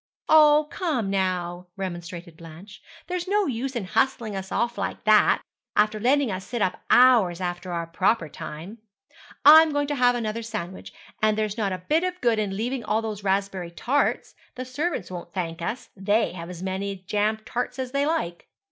'Oh, come, now,' remonstrated Blanche, 'there's no use in hustling us off like that, after letting us sit up hours after our proper time. I'm going to have another sandwich; and there's not a bit of good in leaving all those raspberry tarts. The servants won't thank us. They have as many jam tarts as they like.'